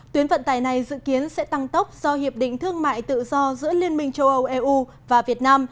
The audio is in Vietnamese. tuyến vận tài này dự kiến sẽ tăng tốc do hiệp định thương mại tự do giữa liên minh châu âu eu và việt nam